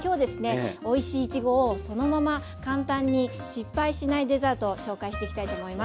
おいしいいちごをそのまま簡単に失敗しないデザートを紹介していきたいと思います。